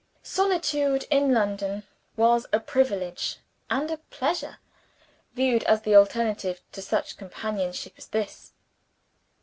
Solitude in London was a privilege and a pleasure, viewed as the alternative to such companionship as this.